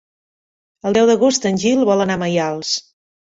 El deu d'agost en Gil vol anar a Maials.